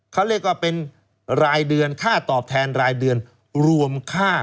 เขาเรียกว่าเป็นรายเดือนค่าตอบแทนรายเดือนรวมค่า